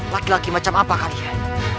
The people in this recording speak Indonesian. laki laki macam apa kalian